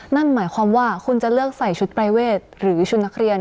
นั่นหมายความว่าคุณจะเลือกใส่ชุดปรายเวทหรือชุดนักเรียน